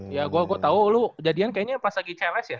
ya gue tau lu kejadian kayaknya pas lagi cls ya